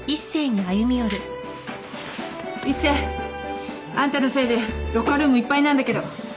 一星。あんたのせいでロッカールームいっぱいなんだけど。